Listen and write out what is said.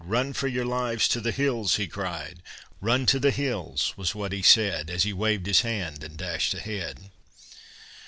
"Run for your lives to the hills!" he cried; "Run to the hills!" was what he said, As he waved his hand and dashed ahead.